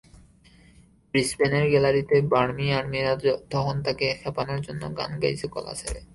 ব্রিসবেনের গ্যালারিতে বার্মি-আর্মিরা তখন তাঁকে খেপানোর জন্য গান গাইছে গলা ছেড়ে।